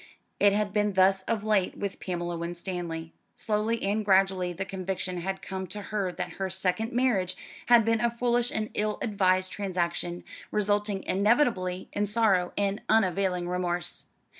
It had been thus of late with Pamela Winstanley. Slowly and gradually the conviction had come to her that her second marriage had been a foolish and ill advised transaction, resulting inevitably in sorrow and unavailing remorse.